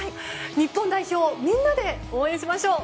日本代表みんなで応援しましょう！